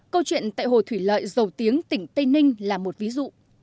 câu chuyện tại hồ thủy lợi dầu tiếng tỉnh tây ninh là một ví dụ